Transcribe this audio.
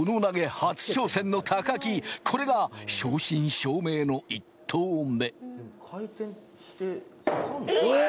初挑戦の高木、これが正真正銘の１投目。